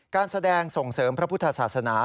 การแสดงส่งเสริมพระพุทธศาสนา